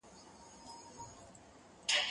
زه به سبا قلمان کار کړم،